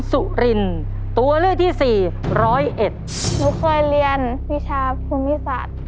สุรินตัวเลือกที่สี่ร้อยเอ็ดหนูเคยเรียนวิชาภูมิศาสตร์